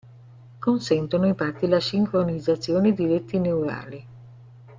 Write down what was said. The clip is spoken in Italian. Consentono infatti la sincronizzazione di reti neurali.